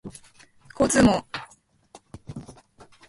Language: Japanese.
交通網